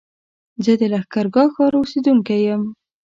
زه د لښکرګاه ښار اوسېدونکی يم